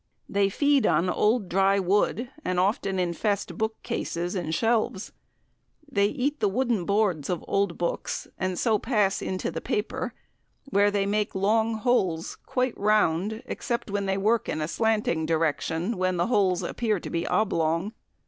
They feed on old dry wood, and often infest bookcases and shelves. They eat the wooden boards of old books, and so pass into the paper where they make long holes quite round, except when they work in a slanting direction, when the holes appear to be oblong.